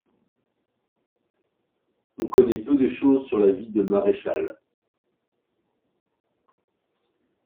On connaît peu de choses sur la vie de Mareschal.